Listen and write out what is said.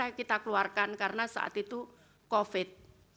akhirnya kita keluarkan karena saat itu covid